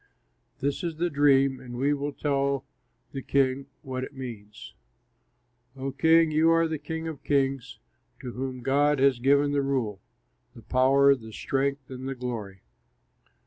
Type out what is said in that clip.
"This is the dream, and we will tell the king what it means: O king, you are the king of kings to whom God has given the rule, the power, the strength, and the glory.